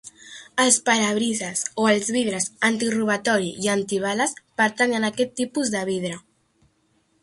Els parabrises o els vidres antirobatori i antibales pertanyen a aquest tipus de vidre.